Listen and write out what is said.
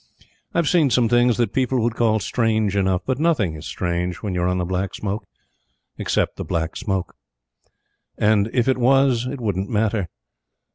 I've seen some things that people would call strange enough; but nothing is strange when you're on the Black Smoke, except the Black Smoke. And if it was, it wouldn't matter.